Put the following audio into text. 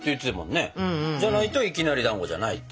じゃないといきなりだんごじゃないって。